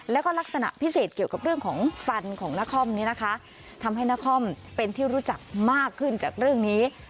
แล้วก็ลักษณะพิเศษเกี่ยวกับเรื่องของฟันของนครนี้นะคะทำให้นครเป็นที่รู้จักมากขึ้นจากเรื่องนี้